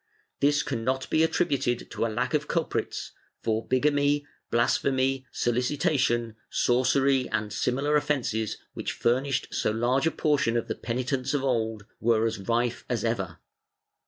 ^ This cannot be attributed to a lack of culprits, for bigamy, blas phemy, solicitation, sorcery and similar offences, which furnished so large a portion of the penitents of old, were as rife as ever.